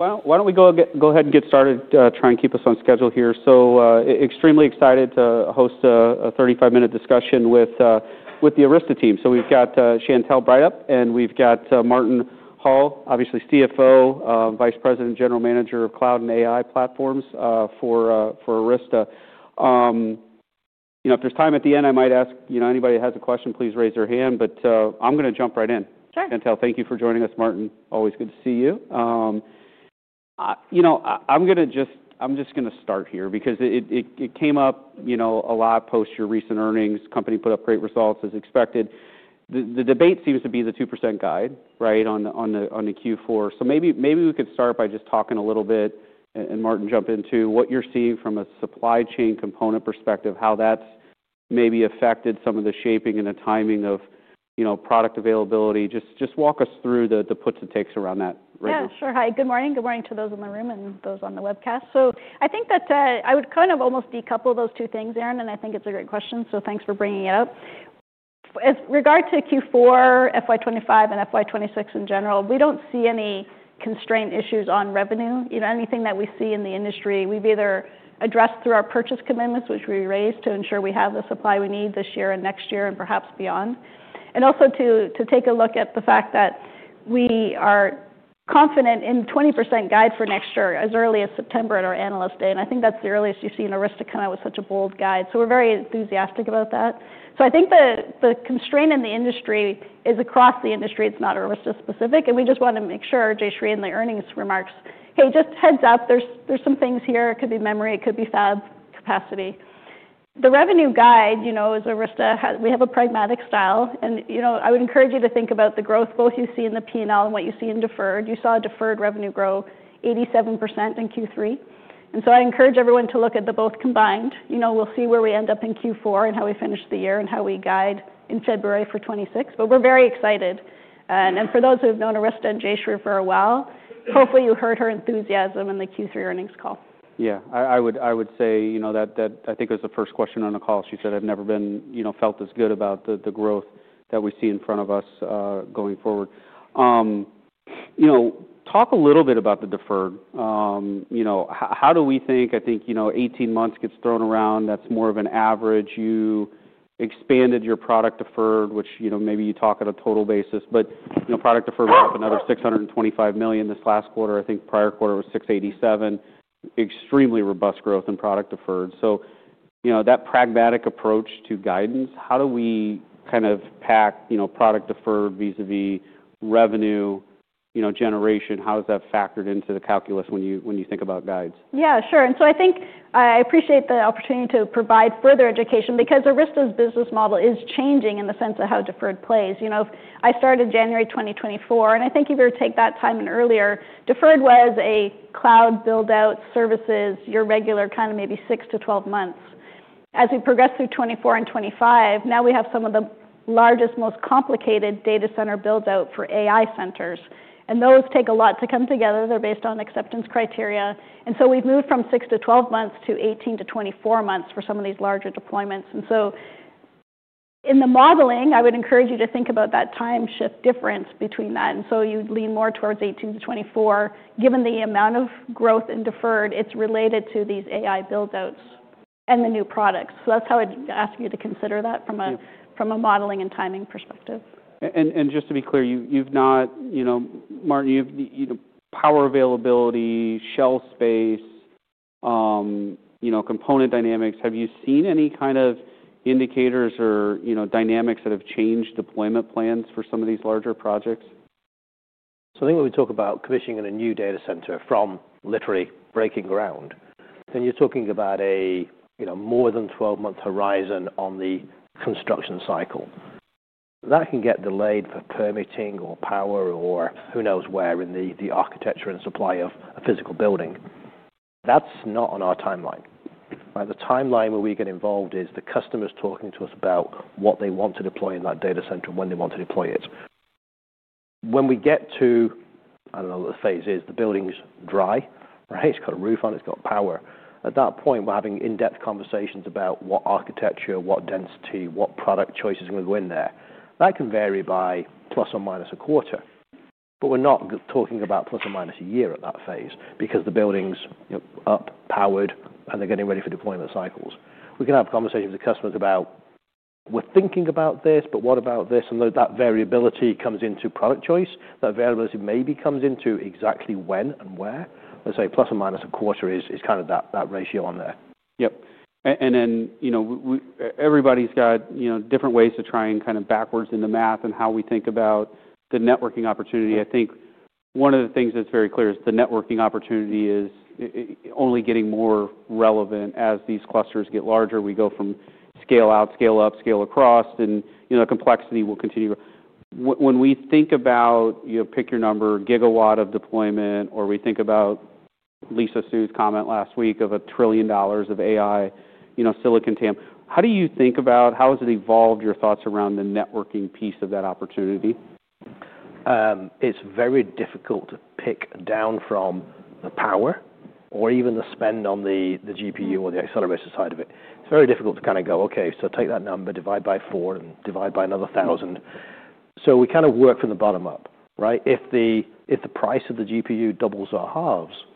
Why don't we go ahead and get started, try and keep us on schedule here. Extremely excited to host a 35-minute discussion with the Arista team. We've got Chantelle Breithaupt, and we've got Martin Hull, obviously CFO, Vice President, General Manager of Cloud and AI Platforms for Arista. You know, if there's time at the end, I might ask, you know, anybody that has a question, please raise their hand. I'm gonna jump right in. Sure. Chantelle, thank you for joining us. Martin, always good to see you. You know, I'm gonna just start here because it came up, you know, a lot post your recent earnings. Company put up great results, as expected. The debate seems to be the 2% guide, right, on the Q4. Maybe we could start by just talking a little bit, and Martin, jump into what you're seeing from a supply chain component perspective, how that's maybe affected some of the shaping and the timing of, you know, product availability. Just walk us through the puts and takes around that right now. Yeah. Sure. Hi. Good morning. Good morning to those in the room and those on the webcast. I think that I would kind of almost decouple those two things, Aaron, and I think it's a great question. Thanks for bringing it up. As regard to Q4, FY2025, and FY2026 in general, we don't see any constraint issues on revenue. You know, anything that we see in the industry, we've either addressed through our purchase commitments, which we raised to ensure we have the supply we need this year and next year and perhaps beyond. Also, to take a look at the fact that we are confident in the 20% guide for next year as early as September at our analyst day. I think that's the earliest you've seen Arista come out with such a bold guide. We're very enthusiastic about that. I think the constraint in the industry is across the industry. It's not Arista specific. We just wanna make sure, Jayshree, in the earnings remarks, hey, just heads up, there's some things here. It could be memory. It could be fab capacity. The revenue guide, you know, is Arista has we have a pragmatic style. I would encourage you to think about the growth both you see in the P&L and what you see in deferred. You saw deferred revenue grow 87% in Q3. I encourage everyone to look at the both combined. You know, we'll see where we end up in Q4 and how we finish the year and how we guide in February for 2026. We're very excited. For those who have known Arista and Jayshree for a while, hopefully you heard her enthusiasm in the Q3 earnings call. Yeah. I would say, you know, that I think it was the first question on the call. She said, "I've never been, you know, felt this good about the growth that we see in front of us, going forward." You know, talk a little bit about the deferred. You know, how do we think, I think, you know, 18 months gets thrown around. That's more of an average. You expanded your product deferred, which, you know, maybe you talk on a total basis. But, you know, product deferred went up another $625 million this last Quarter. I think prior Quarter was $687 million. Extremely robust growth in product deferred. You know, that pragmatic approach to guidance, how do we kind of pack, you know, product deferred vis-à-vis revenue, you know, generation? How is that factored into the calculus when you think about guides? Yeah. Sure. I think I appreciate the opportunity to provide further education because Arista's business model is changing in the sense of how deferred plays. You know, if I started January 2024, and I think if you were to take that time in earlier, deferred was a cloud build-out services, your regular kind of maybe 6 to 12 months. As we progress through 2024 and 2025, now we have some of the largest, most complicated data center build-out for AI centers. Those take a lot to come together. They're based on acceptance criteria. We have moved from 6-12 months to 18-24 months for some of these larger deployments. In the modeling, I would encourage you to think about that time shift difference between that. You'd lean more towards 18-24. Given the amount of growth in deferred, it's related to these AI build-outs and the new products. That's how I'd ask you to consider that from a modeling and timing perspective. And just to be clear, you know, Martin, you've, you know, power availability, shell space, you know, component dynamics. Have you seen any kind of indicators or, you know, dynamics that have changed deployment plans for some of these larger projects? I think when we talk about commissioning in a new data center from literally breaking ground, then you're talking about a, you know, more than 12-month horizon on the construction cycle. That can get delayed for permitting or power or who knows where in the architecture and supply of a physical building. That's not on our timeline. Right? The timeline where we get involved is the customer's talking to us about what they want to deploy in that data center and when they want to deploy it. When we get to, I don't know what the phase is, the building's dry, right? It's got a roof on it. It's got power. At that point, we're having in-depth conversations about what architecture, what density, what product choices are gonna go in there. That can vary by plus or minus a Quarter. We're not talking about plus or minus a year at that phase because the building's, you know, up, powered, and they're getting ready for deployment cycles. We can have conversations with the customers about, "We're thinking about this, but what about this?" That variability comes into product choice, that variability maybe comes into exactly when and where. Let's say plus or minus a Quarter is kind of that ratio on there. Yep. And then, you know, everybody's got, you know, different ways to try and kind of backwards in the math and how we think about the networking opportunity. I think one of the things that's very clear is the networking opportunity is, it is only getting more relevant as these clusters get larger. We go from scale out, scale up, scale across, and, you know, complexity will continue. When we think about, you know, pick your number, gigawatt of deployment, or we think about Lisa Su's comment last week of a trillion dollars of AI, you know, Silicon TAM. How do you think about how has it evolved your thoughts around the networking piece of that opportunity? It's very difficult to pick down from the power or even the spend on the GPU or the accelerator side of it. It's very difficult to kind of go, "Okay. Take that number, divide by 4, and divide by another 1,000." We kind of work from the bottom up, right? If the price of the GPU doubles or halves, you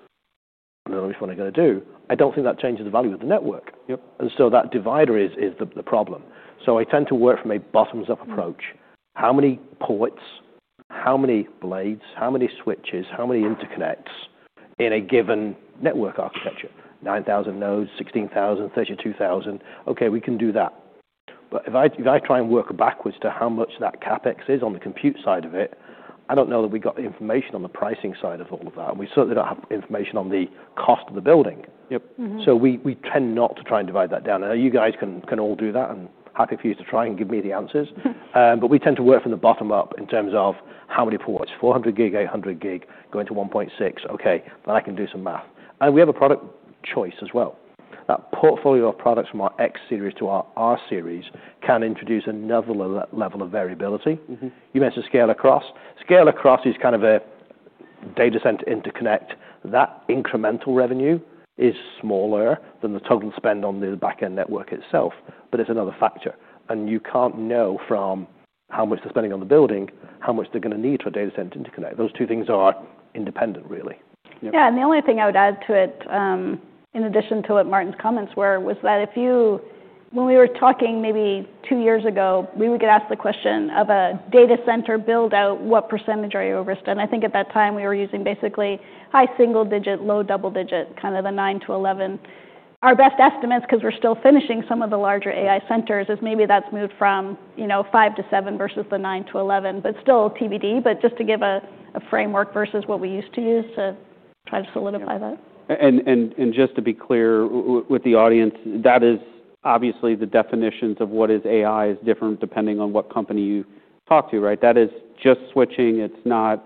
know, that's what we're gonna do. I don't think that changes the value of the network. Yep. That divider is the problem. I tend to work from a bottoms-up approach. How many ports? How many blades? How many switches? How many interconnects in a given network architecture? 9,000 nodes? 16,000? 32,000? Okay. We can do that. If I try and work backwards to how much that CapEx is on the compute side of it, I do not know that we got the information on the pricing side of all of that. We certainly do not have information on the cost of the building. Yep. We tend not to try and divide that down. You guys can all do that. I'm happy for you to try and give me the answers. We tend to work from the bottom up in terms of how many ports. 400 gig, 800 gig, going to 1.6. Okay. Then I can do some math. We have a product choice as well. That portfolio of products from our X series to our R series can introduce another level of variability. You mentioned scale across. Scale across is kind of a data center interconnect. That incremental revenue is smaller than the total spend on the backend network itself. It is another factor. You cannot know from how much they're spending on the building how much they're gonna need for a data center interconnect. Those two things are independent, really. Yep. Yeah. The only thing I would add to it, in addition to what Martin's comments were, was that if you, when we were talking maybe two years ago, we would get asked the question of a data center build-out, what percentage are you over? I think at that time we were using basically high single digit, low double digit, kind of the 9-11. Our best estimates, 'cause we're still finishing some of the larger AI centers, is maybe that's moved from, you know, 5-7 versus the 9-11, but still TBD. Just to give a framework versus what we used to use to try to solidify that. And just to be clear with the audience, that is obviously the definitions of what is AI is different depending on what company you talk to, right? That is just switching. It's not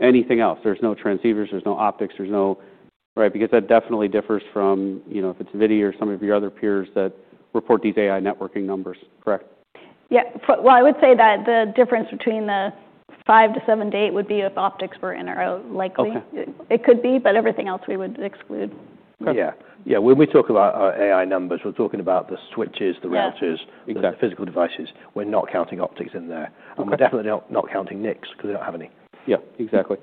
anything else. There's no transceivers. There's no optics. There's no, right? Because that definitely differs from, you know, if it's NVIDIA or some of your other peers that report these AI networking numbers. Correct? Yeah. I would say that the difference between the 5 to 7 to 8 would be if optics were in or out, likely. Okay. It could be, but everything else we would exclude. Okay. Yeah. Yeah. When we talk about AI numbers, we're talking about the switches, the routers. Yeah. Exactly. The physical devices. We're not counting optics in there. Okay. We're definitely not, not counting NICs 'cause we don't have any. Yep. Exactly.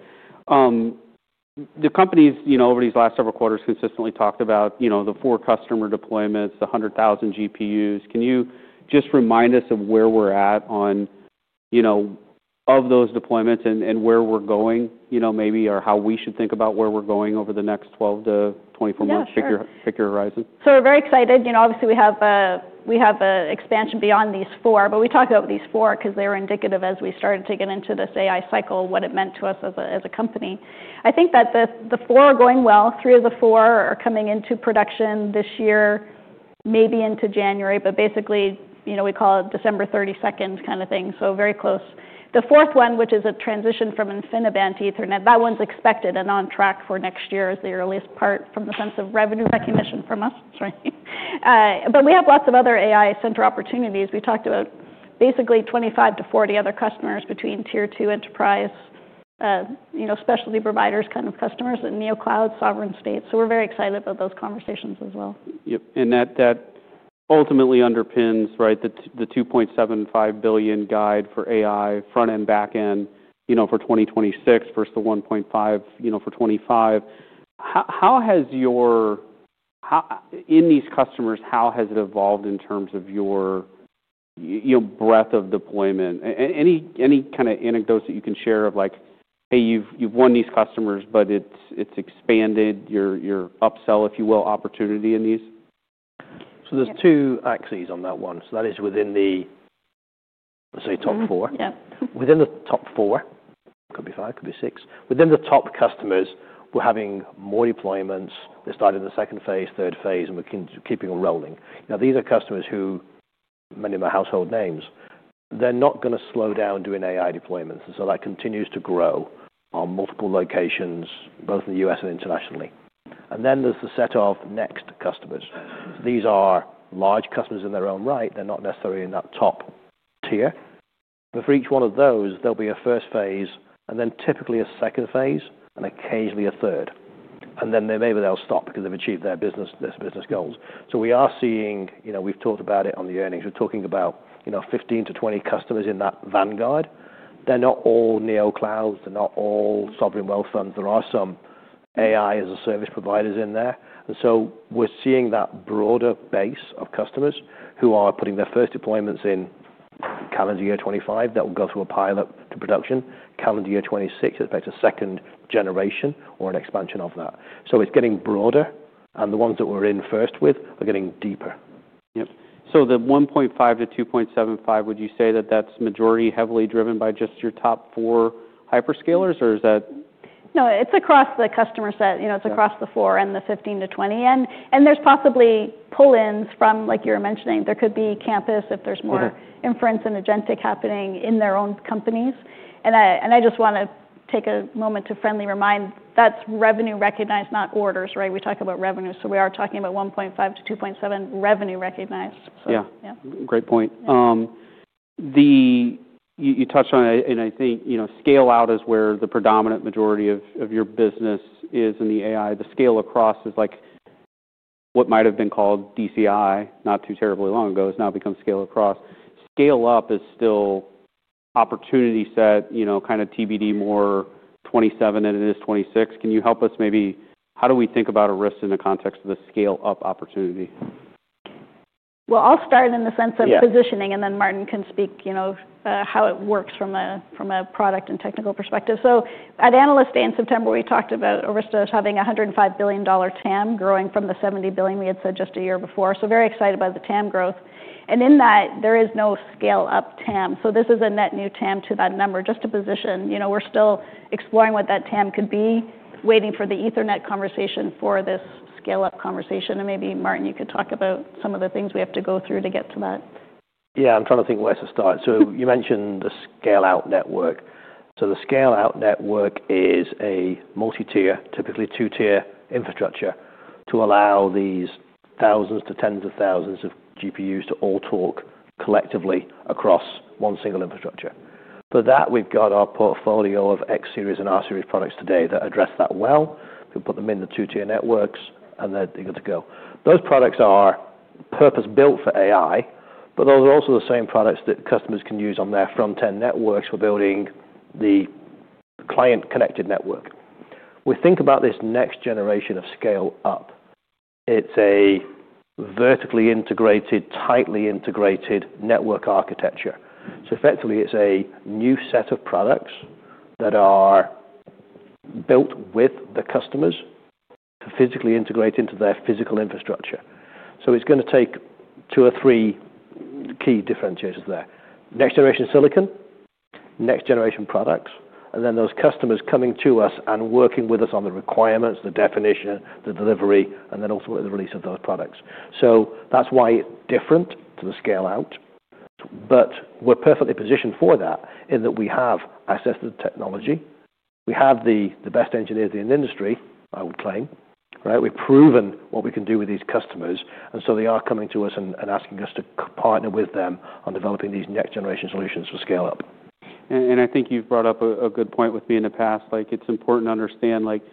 The companies, you know, over these last several Quarters consistently talked about, you know, the four customer deployments, the 100,000 GPUs. Can you just remind us of where we're at on, you know, of those deployments and where we're going, you know, maybe, or how we should think about where we're going over the next 12 to 24 months? Yeah. Pick your horizon. We're very excited. You know, obviously we have an expansion beyond these four. We talked about these four 'cause they were indicative as we started to get into this AI cycle, what it meant to us as a company. I think that the four are going well. Three of the four are coming into production this year, maybe into January. Basically, you know, we call it December 32nd kind of thing. So very close. The fourth one, which is a transition from InfiniBand to Ethernet, that one's expected and on track for next year as the earliest part from the sense of revenue recognition from us. Sorry. We have lots of other AI center opportunities. We talked about basically 25-40 other customers between tier two enterprise, specialty providers kind of customers and NeoCloud, sovereign states. We're very excited about those conversations as well. Yep. And that ultimately underpins, right, the $2.75 billion guide for AI front end, back end, you know, for 2026 versus the $1.5 billion, you know, for 2025. How has your, in these customers, how has it evolved in terms of your, you know, breadth of deployment? And any kind of anecdotes that you can share of like, "Hey, you've won these customers, but it's expanded your upsell, if you will, opportunity in these? There's two axes on that one. That is within the, let's say, top four. Yeah. Within the top four. Could be five. Could be six. Within the top customers, we're having more deployments. They started in the second phase, third phase, and we're keeping rolling. Now, these are customers who, many of them are household names. They're not gonna slow down doing AI deployments. That continues to grow in multiple locations, both in the U.S. and internationally. Then there's the set of next customers. These are large customers in their own right. They're not necessarily in that top tier. For each one of those, there will be a first phase and then typically a second phase and occasionally a third. Then maybe they'll stop because they've achieved their business goals. We are seeing, you know, we've talked about it on the earnings. We're talking about, you know, 15-20 customers in that vanguard. They're not all NeoClouds. They're not all Sovereign Wealth Funds. There are some AI as a service providers in there. We're seeing that broader base of customers who are putting their first deployments in calendar year 2025 that will go through a pilot to production. Calendar year 2026 is back to second generation or an expansion of that. It is getting broader. The ones that we're in first with are getting deeper. Yep. $1.5 billion- $2.75 billion, would you say that that's majority heavily driven by just your top four hyperscalers, or is that? No. It's across the customer set. You know, it's across the four and the 15-20. And there's possibly pull-ins from, like you were mentioning. There could be campus if there's more. Sure. Inference and agentic happening in their own companies. I just wanna take a moment to friendly remind that's revenue recognized, not orders, right? We talk about revenue. We are talking about $1.5 billion-$2.7 billion revenue recognized. Yeah. Yeah. Great point. You touched on it, and I think, you know, scale out is where the predominant majority of your business is in the AI. The scale across is like what might have been called DCI not too terribly long ago, has now become scale across. Scale up is still opportunity set, you know, kind of TBD more 2027 than it is 2026. Can you help us maybe how do we think about Arista in the context of the scale up opportunity? I'll start in the sense of. Yeah. Positioning, and then Martin can speak, you know, how it works from a from a product and technical perspective. At Analyst Day in September, we talked about Arista Networks having a $105 billion TAM growing from the $70 billion we had said just a year before. Very excited by the TAM growth. In that, there is no scale up TAM. This is a net new TAM to that number. Just to position, you know, we're still exploring what that TAM could be, waiting for the Ethernet conversation for this scale up conversation. Maybe Martin, you could talk about some of the things we have to go through to get to that. Yeah. I'm trying to think where to start. You mentioned the scale out network. The scale out network is a multi-tier, typically two-tier infrastructure to allow these thousands to tens of thousands of GPUs to all talk collectively across one single infrastructure. For that, we've got our portfolio of X series and R series products today that address that well. We put them in the two-tier networks, and they're eager to go. Those products are purpose-built for AI, but those are also the same products that customers can use on their front end networks for building the client connected network. We think about this next generation of scale up. It's a vertically integrated, tightly integrated network architecture. Effectively, it's a new set of products that are built with the customers to physically integrate into their physical infrastructure. It's gonna take two or three key differentiators there: next generation silicon, next generation products, and then those customers coming to us and working with us on the requirements, the definition, the delivery, and then ultimately the release of those products. That's why it's different to the scale out. We're perfectly positioned for that in that we have access to the technology. We have the best engineers in the industry, I would claim, right? We've proven what we can do with these customers. They are coming to us and asking us to co-partner with them on developing these next generation solutions for scale up. And I think you've brought up a good point with me in the past. Like, it's important to understand, like,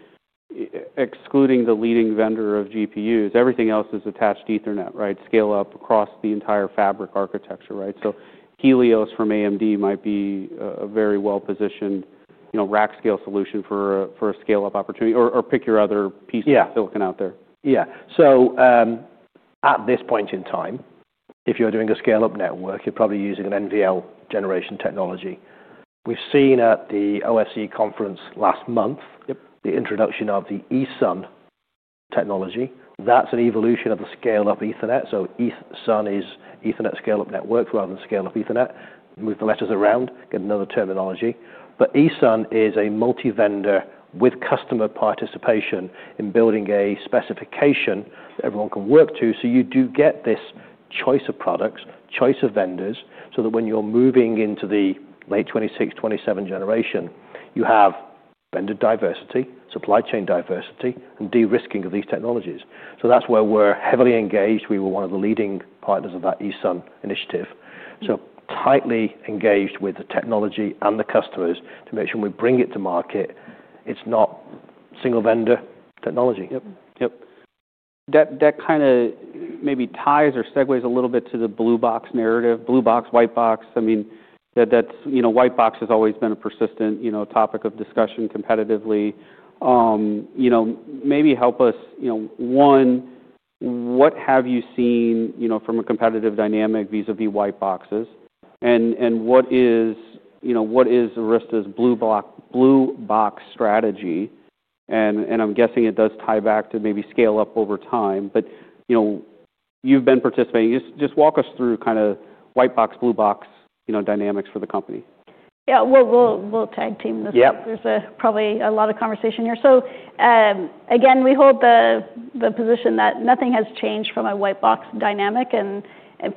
excluding the leading vendor of GPUs, everything else is attached to Ethernet, right? Scale up across the entire fabric architecture, right? So Helios from AMD might be a very well-positioned, you know, rack scale solution for a scale up opportunity or, or pick your other piece of. Yeah. Yeah. At this point in time, if you're doing a scale up network, you're probably using an NVL generation technology. We've seen at the OSC conference last month. Yep. The introduction of the ESUN technology. That is an evolution of the scale up Ethernet. ESUN is Ethernet Scale-Up Network rather than scale up Ethernet. Move the letters around. Get another terminology. ESUN is a multi-vendor with customer participation in building a specification that everyone can work to. You do get this choice of products, choice of vendors, so that when you are moving into the late 2026, 2027 generation, you have vendor diversity, supply chain diversity, and de-risking of these technologies. That is where we are heavily engaged. We were one of the leading partners of that ESUN initiative. Tightly engaged with the technology and the customers to make sure when we bring it to market, it is not single vendor technology. Yep. Yep. That kind of maybe ties or segues a little bit to the blue box narrative. Blue box, white box. I mean, that's, you know, white box has always been a persistent, you know, topic of discussion competitively. You know, maybe help us, you know, one, what have you seen, you know, from a competitive dynamic vis-à-vis white boxes? And what is, you know, what is Arista's blue box strategy? And I'm guessing it does tie back to maybe scale up over time. But, you know, you've been participating. Just walk us through kind of white box, blue box, you know, dynamics for the company. Yeah. We'll tag team this. Yep. There's probably a lot of conversation here. Again, we hold the position that nothing has changed from a white box dynamic.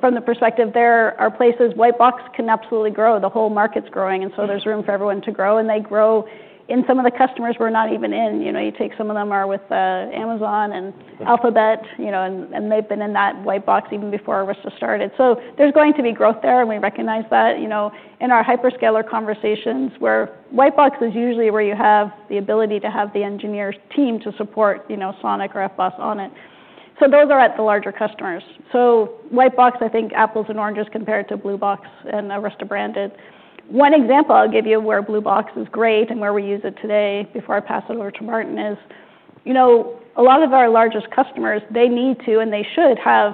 From the perspective there, our place is white box can absolutely grow. The whole market's growing, and so there's room for everyone to grow. They grow in some of the customers we're not even in. You know, you take some of them are with Amazon and Alphabet, you know, and they've been in that white box even before Arista started. There's going to be growth there, and we recognize that, you know, in our hyperscaler conversations where white box is usually where you have the ability to have the engineer's team to support, you know, SONiC or FBOSS on it. Those are at the larger customers. White box, I think, apples and oranges compared to blue box and Arista branded. One example I'll give you where blue box is great and where we use it today before I pass it over to Martin is, you know, a lot of our largest customers, they need to and they should have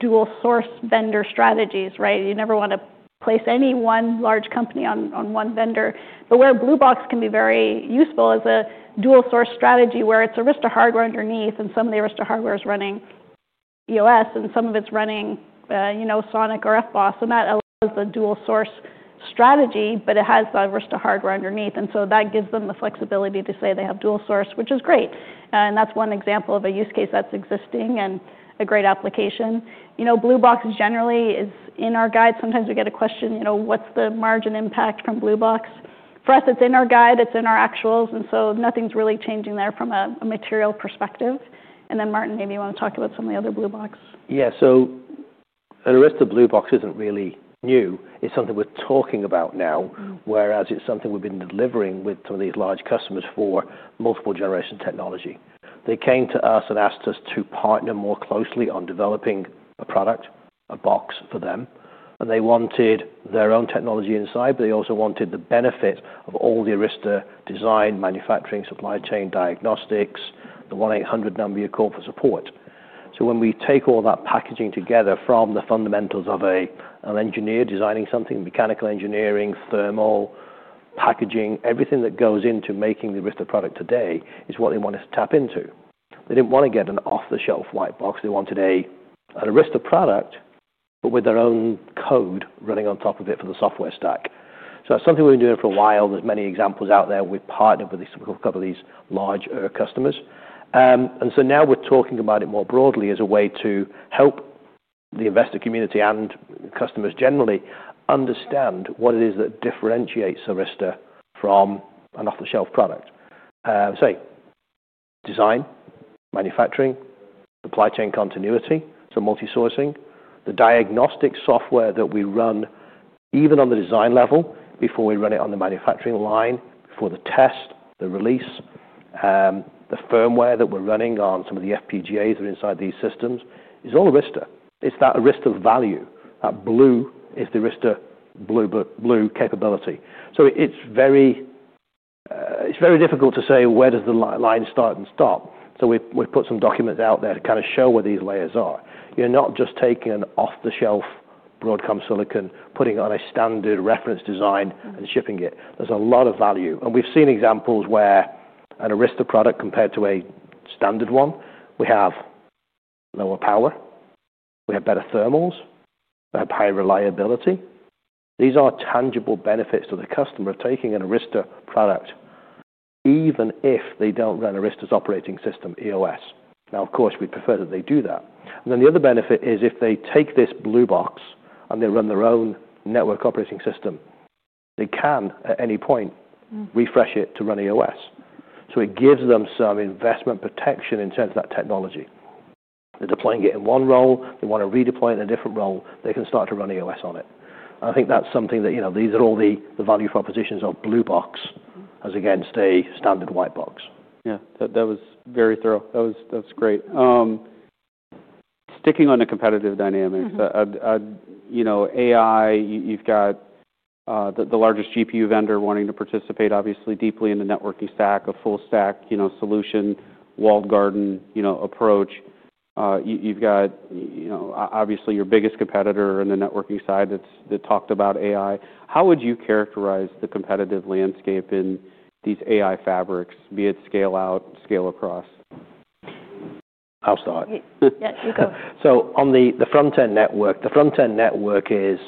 dual source vendor strategies, right? You never wanna place any one large company on one vendor. Where blue box can be very useful is a dual source strategy where it's Arista hardware underneath, and some of the Arista hardware is running EOS, and some of it's running, you know, SONiC or FBOSS. That allows the dual source strategy, but it has the Arista hardware underneath. That gives them the flexibility to say they have dual source, which is great. That's one example of a use case that's existing and a great application. You know, blue box generally is in our guide. Sometimes we get a question, you know, what's the margin impact from blue box? For us, it's in our guide. It's in our actuals. Nothing's really changing there from a material perspective. Then Martin, maybe you wanna talk about some of the other blue box. Yeah. So an Arista blue box isn't really new. It's something we're talking about now, whereas it's something we've been delivering with some of these large customers for multiple generation technology. They came to us and asked us to partner more closely on developing a product, a box for them. They wanted their own technology inside, but they also wanted the benefit of all the Arista design, manufacturing, supply chain, diagnostics, the 1-800 number you call for support. When we take all that packaging together from the fundamentals of an engineer designing something, mechanical engineering, thermal, packaging, everything that goes into making the Arista product today is what they want us to tap into. They didn't want to get an off-the-shelf white box. They wanted an Arista product, but with their own code running on top of it for the software stack. That's something we've been doing for a while. There are many examples out there. We've partnered with a couple of these larger customers, and now we're talking about it more broadly as a way to help the investor community and customers generally understand what it is that differentiates Arista from an off-the-shelf product. Design, manufacturing, supply chain continuity, multi-sourcing, the diagnostic software that we run even on the design level before we run it on the manufacturing line, for the test, the release, the firmware that we're running on some of the FPGAs that are inside these systems is all Arista. It's that Arista value. That blue is the Arista blue, blue capability. It's very difficult to say where does the line start and stop. We've put some documents out there to kind of show where these layers are. You're not just taking an off-the-shelf Broadcom silicon, putting it on a standard reference design and shipping it. There's a lot of value. We've seen examples where an Arista product compared to a standard one, we have lower power, we have better thermals, we have higher reliability. These are tangible benefits to the customer of taking an Arista product even if they don't run Arista's operating system, EOS. Now, of course, we'd prefer that they do that. The other benefit is if they take this blue box and they run their own network operating system, they can at any point refresh it to run EOS. It gives them some investment protection in terms of that technology. They're deploying it in one role. They wanna redeploy it in a different role, they can start to run EOS on it. I think that's something that, you know, these are all the value propositions of blue box as against a standard white box. Yeah. That was very thorough. That was great. Sticking on the competitive dynamics, you know, AI, you've got the largest GPU vendor wanting to participate, obviously, deeply in the networking stack, a full stack, you know, solution, walled garden, you know, approach. You've got, you know, obviously, your biggest competitor on the networking side that's talked about AI. How would you characterize the competitive landscape in these AI fabrics, be it scale out, scale across? I'll start. Yeah, you go. On the front end network, the front end network is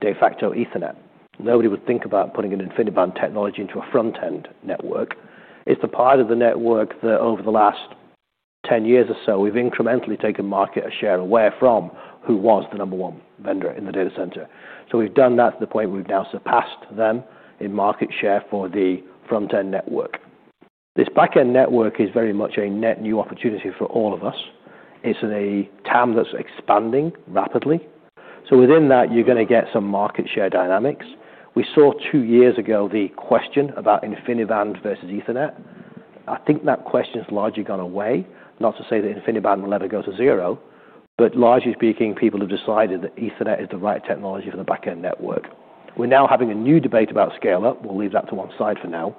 de facto Ethernet. Nobody would think about putting an InfiniBand technology into a front end network. It's the part of the network that over the last 10 years or so, we've incrementally taken market share away from who was the number one vendor in the data center. We've done that to the point we've now surpassed them in market share for the front end network. This back end network is very much a net new opportunity for all of us. It's a TAM that's expanding rapidly. Within that, you're gonna get some market share dynamics. We saw two years ago the question about InfiniBand versus Ethernet. I think that question's largely gone away. Not to say that InfiniBand will ever go to zero, but largely speaking, people have decided that Ethernet is the right technology for the back end network. We are now having a new debate about scale up. We will leave that to one side for now.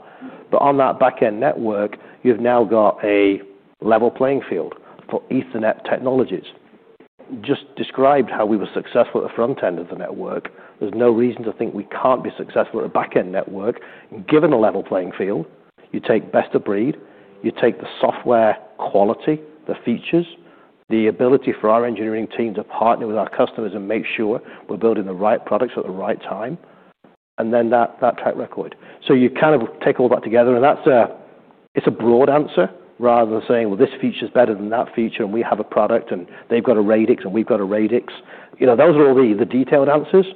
On that back end network, you have now got a level playing field for Ethernet technologies. Just described how we were successful at the front end of the network. There is no reason to think we cannot be successful at a back end network. Given a level playing field, you take best of breed, you take the software quality, the features, the ability for our engineering team to partner with our customers and make sure we are building the right products at the right time, and then that track record. You kind of take all that together, and that's a, it's a broad answer rather than saying, "Well, this feature's better than that feature, and we have a product, and they've got a Radix, and we've got a Radix." You know, those are all the detailed answers.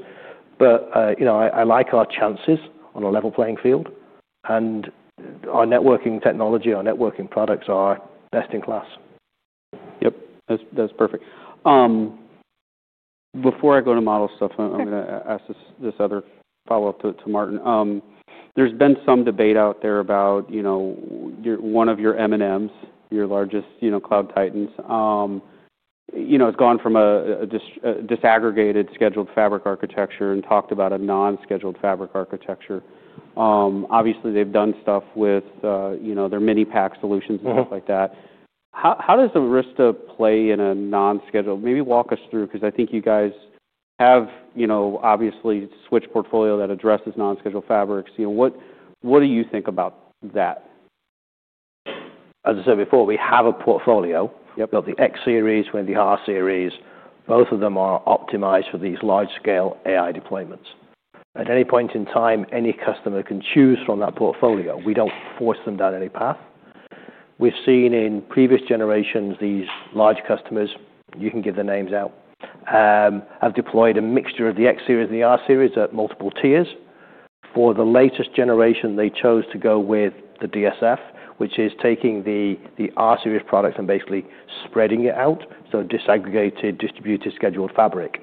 You know, I like our chances on a level playing field, and our networking technology, our networking products are best in class. Yep. That's perfect. Before I go to model stuff, I'm gonna ask this other follow-up to Martin. There's been some debate out there about, you know, one of your M&Ms, your largest, you know, cloud titans. You know, it's gone from a disaggregated scheduled fabric architecture and talked about a non-scheduled fabric architecture. Obviously, they've done stuff with, you know, their mini pack solutions and stuff like that. How does Arista play in a non-scheduled? Maybe walk us through 'cause I think you guys have, you know, obviously, switched portfolio that addresses non-scheduled fabrics. You know, what do you think about that? As I said before, we have a portfolio. Yep. We've got the X series with the R series. Both of them are optimized for these large-scale AI deployments. At any point in time, any customer can choose from that portfolio. We don't force them down any path. We've seen in previous generations, these large customers, you can give the names out, have deployed a mixture of the X series and the R series at multiple tiers. For the latest generation, they chose to go with the DSF, which is taking the R series products and basically spreading it out. So disaggregated distributed scheduled fabric.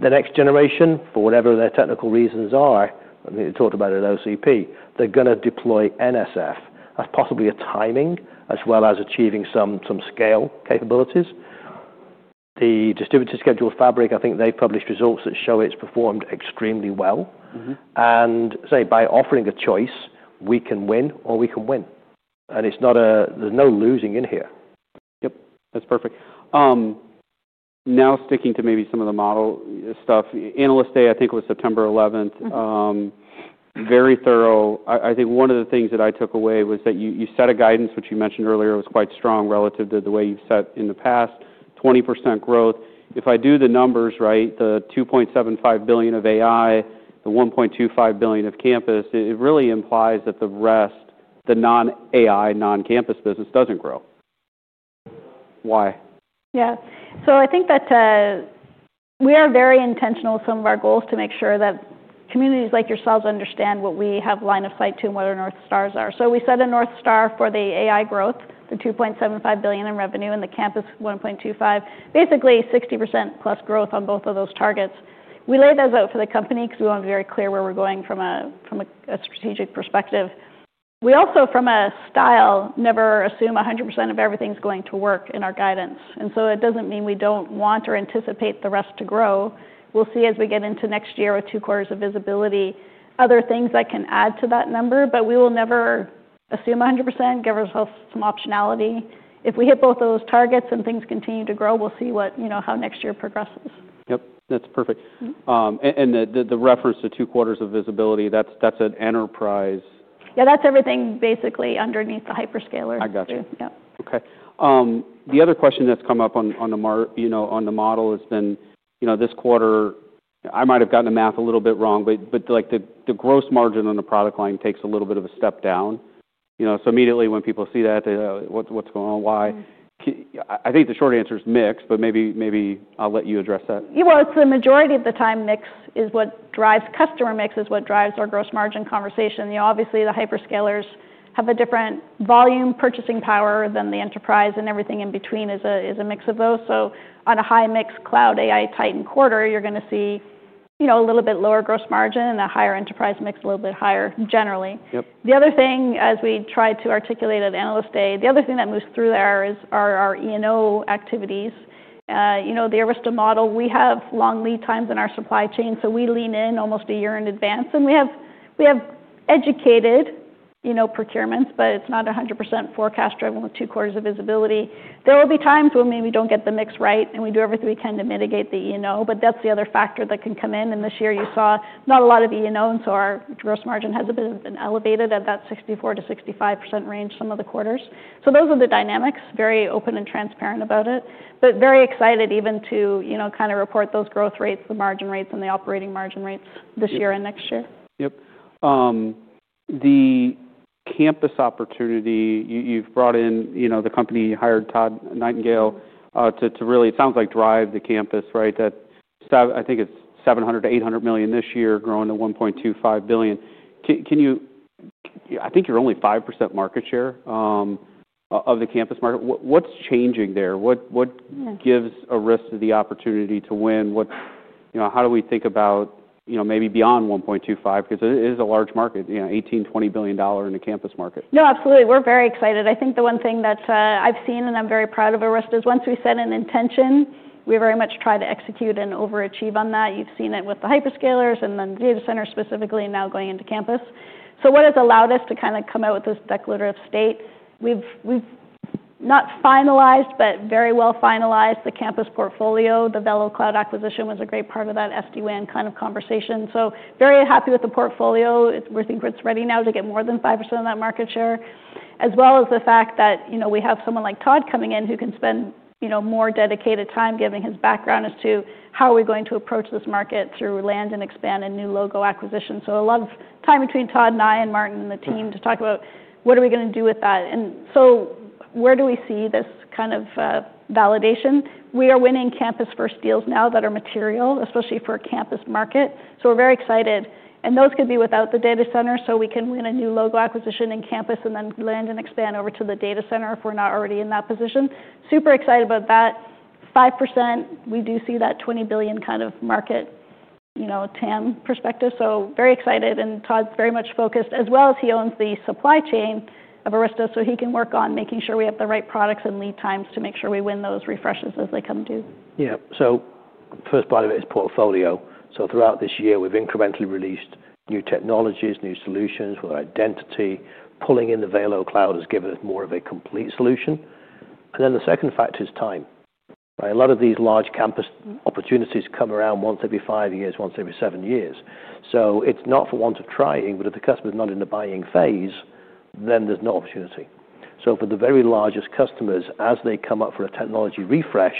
The next generation, for whatever their technical reasons are, I mean, we talked about it at OCP, they're gonna deploy NSF as possibly a timing as well as achieving some scale capabilities. The distributed scheduled fabric, I think they've published results that show it's performed extremely well. Mm-hmm. By offering a choice, we can win or we can win. There is no losing in here. Yep. That's perfect. Now, sticking to maybe some of the model stuff, analyst day, I think it was September 11th. Very thorough. I think one of the things that I took away was that you set a guidance, which you mentioned earlier, was quite strong relative to the way you've set in the past, 20% growth. If I do the numbers right, the $2.75 billion of AI, the $1.25 billion of campus, it really implies that the rest, the non-AI, non-campus business doesn't grow. Why? Yeah. I think that we are very intentional with some of our goals to make sure that communities like yourselves understand what we have line of sight to and what our north stars are. We set a north star for the AI growth, the $2.75 billion in revenue, and the campus $1.25 billion, basically 60%+ growth on both of those targets. We laid those out for the company 'cause we want to be very clear where we are going from a strategic perspective. We also, from a style, never assume 100% of everything is going to work in our guidance. It does not mean we do not want or anticipate the rest to grow. We will see as we get into next year with two Quarters of visibility, other things that can add to that number, but we will never assume 100%, give ourselves some optionality. If we hit both those targets and things continue to grow, we'll see what, you know, how next year progresses. Yep. That's perfect. Mm-hmm. And the reference to two Quarters of visibility, that's an enterprise. Yeah. That's everything basically underneath the hyperscalers too. I gotcha. Yeah Okay. The other question that's come up on the mar, you know, on the model has been, you know, this Quarter, I might have gotten the math a little bit wrong, but, but like the gross margin on the product line takes a little bit of a step down. You know, so immediately when people see that, they go, "What's going on? Why? I think the short answer's mixed, but maybe, maybe I'll let you address that. It's the majority of the time mix is what drives customer mix is what drives our gross margin conversation. You know, obviously, the hyperscalers have a different volume purchasing power than the enterprise, and everything in between is a, is a mix of those. On a high mix cloud AI tight and Quarter, you're gonna see, you know, a little bit lower gross margin and a higher enterprise mix, a little bit higher generally. Yep. The other thing, as we tried to articulate at analyst day, the other thing that moves through there is our E&O activities. You know, the Arista model, we have long lead times in our supply chain, so we lean in almost a year in advance, and we have educated, you know, procurements, but it's not 100% forecast driven with two Quarters of visibility. There will be times when maybe we don't get the mix right, and we do everything we can to mitigate the E&O, but that's the other factor that can come in. This year you saw not a lot of E&O, and so our gross margin has a bit been elevated at that 64-65% range some of the Quarters. Those are the dynamics, very open and transparent about it, but very excited even to, you know, kind of report those growth rates, the margin rates, and the operating margin rates this year and next year. Yep. The campus opportunity, you, you've brought in, you know, the company hired Todd Nightingale to, to really, it sounds like, drive the campus, right? That stuff, I think it's $700 million-$800 million this year, growing to $1.25 billion. Can you, I think you're only 5% market share, of the campus market. What's changing there? What gives Arista the opportunity to win? What, you know, how do we think about, you know, maybe beyond $1.25 billion? 'Cause it is a large market, you know, $18 billion-$20 billion in a campus market. No, absolutely. We're very excited. I think the one thing that's, I've seen and I'm very proud of Arista is once we set an intention, we very much try to execute and overachieve on that. You've seen it with the hyperscalers and then data centers specifically now going into campus. What has allowed us to kinda come out with this declarative state? We've not finalized, but very well finalized the campus portfolio. The VeloCloud acquisition was a great part of that SD-WAN kind of conversation. Very happy with the portfolio. We think it's ready now to get more than 5% of that market share, as well as the fact that, you know, we have someone like Todd coming in who can spend, you know, more dedicated time giving his background as to how are we going to approach this market through land and expand and new logo acquisition. A lot of time between Todd and I and Martin and the team to talk about what are we gonna do with that. Where do we see this kind of validation? We are winning campus-first deals now that are material, especially for a campus market. We are very excited. Those could be without the data center, so we can win a new logo acquisition in campus and then land and expand over to the data center if we're not already in that position. Super excited about that. 5%, we do see that $20 billion kind of market, you know, TAM perspective. So very excited, and Todd's very much focused, as well as he owns the supply chain of Arista, so he can work on making sure we have the right products and lead times to make sure we win those refreshes as they come due. Yeah. First part of it is portfolio. Throughout this year, we've incrementally released new technologies, new solutions with identity. Pulling in the VeloCloud has given us more of a complete solution. The second factor is time, right? A lot of these large campus opportunities come around once every five years, once every seven years. It's not for want of trying, but if the customer's not in the buying phase, then there's no opportunity. For the very largest customers, as they come up for a technology refresh,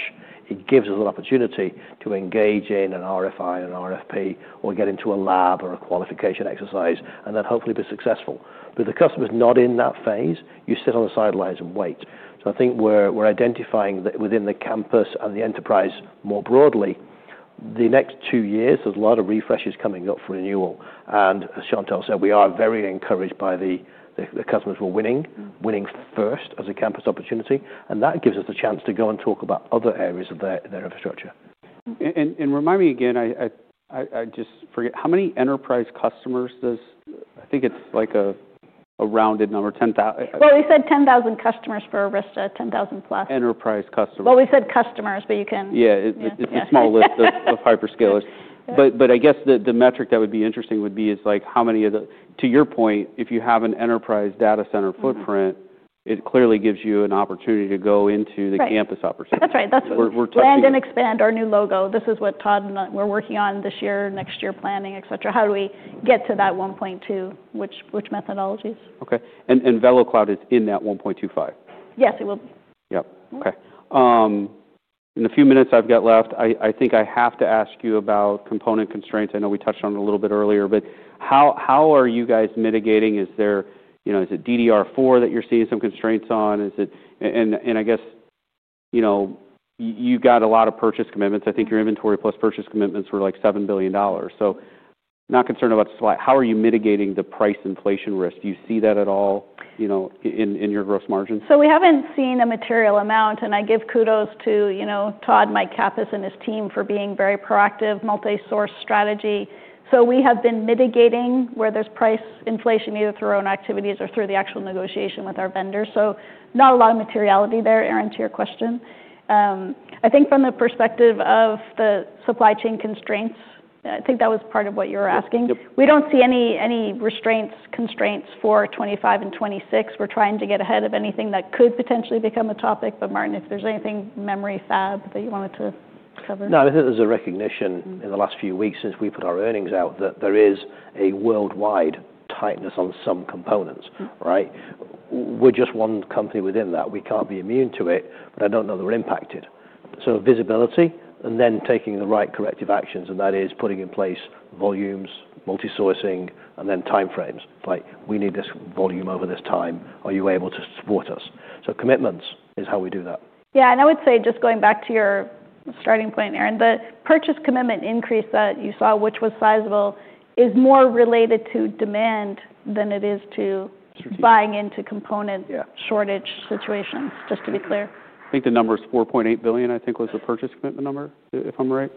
it gives us an opportunity to engage in an RFI and RFP or get into a lab or a qualification exercise and then hopefully be successful. If the customer's not in that phase, you sit on the sidelines and wait. I think we're identifying that within the campus and the enterprise more broadly, the next two years, there's a lot of refreshes coming up for renewal. As Chantelle said, we are very encouraged by the customers who are winning first as a campus opportunity, and that gives us the chance to go and talk about other areas of their infrastructure. And remind me again, I just forget, how many enterprise customers does, I think it's like a rounded number, 10,000? We said 10,000 customers for Arista, 10,000 plus. Enterprise customers. We said customers, but you can. Yeah. It's a small list of hyperscalers. I guess the metric that would be interesting would be is like how many of the, to your point, if you have an enterprise data center footprint, it clearly gives you an opportunity to go into the campus opportunity. That's right. That's what we're talking about. Land and expand our new logo. This is what Todd and I were working on this year, next year planning, etc. How do we get to that $1.2 billion? Which methodologies? Okay. And VeloCloud is in that $1.25 billion? Yes, it will. Yep. Okay. In the few minutes I've got left, I think I have to ask you about component constraints. I know we touched on it a little bit earlier, but how are you guys mitigating? Is there, you know, is it DDR4 that you're seeing some constraints on? Is it, and I guess, you know, you've got a lot of purchase commitments. I think your inventory plus purchase commitments were like $7 billion. So not concerned about supply. How are you mitigating the price inflation risk? Do you see that at all, you know, in your gross margin? We have not seen a material amount, and I give kudos to, you know, Todd, Mike Kappus, and his team for being very proactive, multi-source strategy. We have been mitigating where there is price inflation either through our own activities or through the actual negotiation with our vendors. Not a lot of materiality there, Aaron, to your question. I think from the perspective of the supply chain constraints, I think that was part of what you were asking. Yep. We don't see any restraints, constraints for 2025 and 2026. We're trying to get ahead of anything that could potentially become a topic. Martin, if there's anything memory fab that you wanted to cover? No, I think there's a recognition in the last few weeks since we put our earnings out that there is a worldwide tightness on some components, right? We're just one company within that. We can't be immune to it, but I don't know that we're impacted. Visibility and then taking the right corrective actions, and that is putting in place volumes, multi-sourcing, and then timeframes. Like, we need this volume over this time. Are you able to support us? Commitments is how we do that. Yeah. I would say just going back to your starting point, Aaron, the purchase commitment increase that you saw, which was sizable, is more related to demand than it is to buying into component shortage situations, just to be clear. I think the number's $4.8 billion, I think, was the purchase commitment number, if I'm right.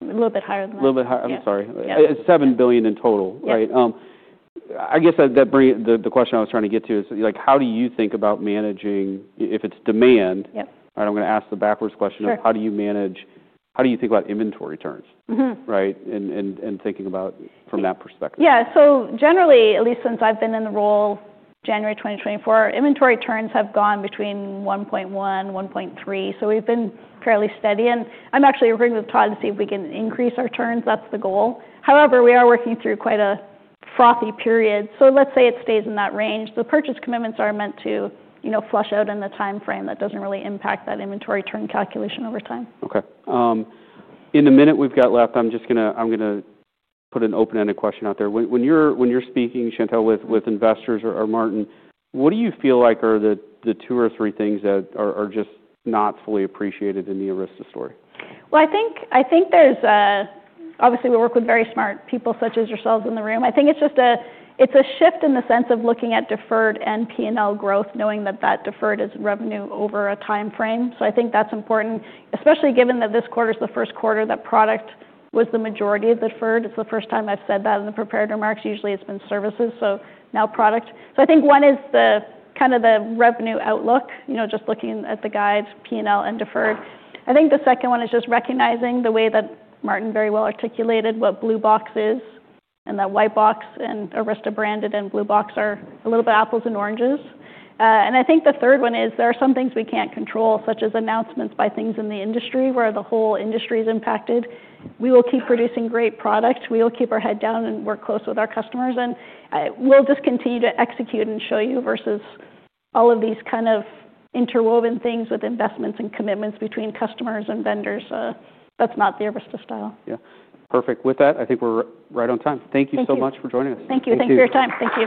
A little bit higher than that. A little bit higher. I'm sorry. Yeah. It's $7 billion in total, right? Yeah. I guess that brings the question I was trying to get to is like, how do you think about managing if it's demand? Yep. Right? I'm gonna ask the backwards question of. Sure. How do you manage, how do you think about inventory turns? Right? And thinking about from that perspective. Yeah. Generally, at least since I've been in the role January 2024, inventory turns have gone between 1.1-1.3 [turns per quarter]. We've been fairly steady. I'm actually agreeing with Todd to see if we can increase our turns. That's the goal. However, we are working through quite a frothy period. Let's say it stays in that range. The purchase commitments are meant to, you know, flush out in the timeframe that does not really impact that inventory turn calculation over time. Okay. In the minute we've got left, I'm just gonna, I'm gonna put an open-ended question out there. When, when you're, when you're speaking, Chantelle, with, with investors or, or Martin, what do you feel like are the, the two or three things that are, are just not fully appreciated in the Arista story? I think there's, obviously we work with very smart people such as yourselves in the room. I think it's just a shift in the sense of looking at deferred and P&L growth, knowing that that deferred is revenue over a timeframe. I think that's important, especially given that this Quarter's the First Quarter that product was the majority of deferred. It's the first time I've said that in the preparatory marks. Usually, it's been services, so now product. I think one is the kind of the revenue outlook, you know, just looking at the guide, P&L and deferred. I think the second one is just recognizing the way that Martin very well articulated what blue box is and that white box and Arista branded and blue box are a little bit apples and oranges. I think the third one is there are some things we can't control, such as announcements by things in the industry where the whole industry's impacted. We will keep producing great product. We will keep our head down and work close with our customers. We'll just continue to execute and show you versus all of these kind of interwoven things with investments and commitments between customers and vendors. That's not the Arista style. Yeah. Perfect. With that, I think we're right on time. Thank you so much for joining us. Thank you for your time. Thank you.